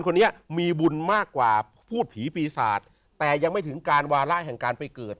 คนนี้มีบุญมากกว่าพูดผีปีศาจแต่ยังไม่ถึงการวาระแห่งการไปเกิด